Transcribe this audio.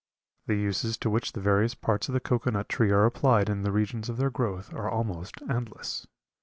The uses to which the various parts of the cocoa nut tree are applied in the regions of their growth are almost endless.